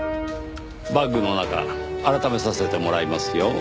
バッグの中改めさせてもらいますよ。